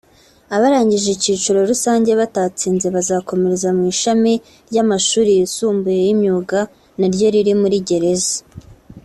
Abarangije icyiciro rusange batatsinze bazakomereza mu ishami ry’amashuri yisumbuye y’imyuga na ryo riri muri gereza